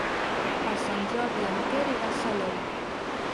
Per Sant Jordi en Quer irà a Salou.